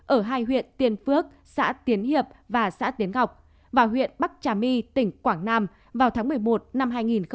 ở hai huyện tiên phước xã tiến hiệp và xã tiến ngọc và huyện bắc trà my tỉnh quảng nam vào tháng một mươi một năm hai nghìn một mươi tám